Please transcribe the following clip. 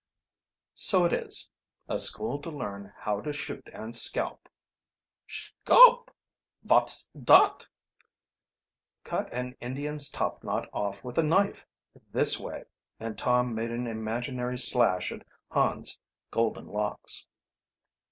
"So it is a school to learn how to shoot and scalp." "Schalp! Vot's dot?" "Cut an Indian's top knot off with a knife, this way," and Tom made an imaginary slash at Hans' golden locks.